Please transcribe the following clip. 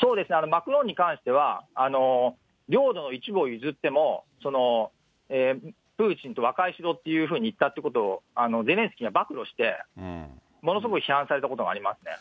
マクロンに関しては、領土の一部を譲っても、プーチンと和解しろっていうふうに言ったっていうことを、ゼレンスキーが暴露して、ものすごい批判されたことがありますね。